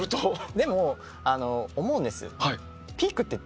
でも思うんです。